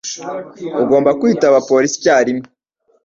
Ugomba kwitaba polisi icyarimwe.